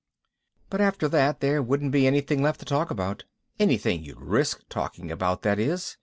But after that there wouldn't be anything left to talk about. Anything you'd risk talking about, that is.